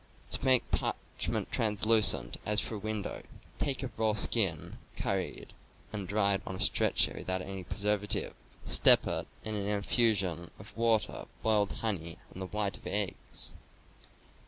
To make parchment translucent, as for a window: take a raw skin, curried, and dried on a stretcher without any preservative ; steep it in an _,,^ infusion of water, boiled honey, and the Parchment. i x £ white oi eggs.